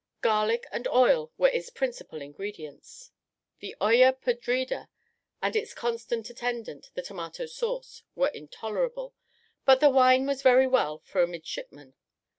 Garlic and oil were its principal ingredients. The olla podrida, and its constant attendant, the tomato sauce, were intolerable, but the wine was very well for a midshipman.